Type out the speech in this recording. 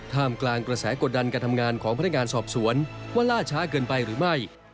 กลางกระแสกดดันการทำงานของพนักงานสอบสวนว่าล่าช้าเกินไปหรือไม่